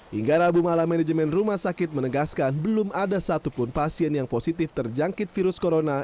hingga rabu malam manajemen rumah sakit menegaskan belum ada satupun pasien yang positif terjangkit virus corona